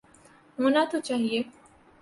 ہونا تو چاہیے۔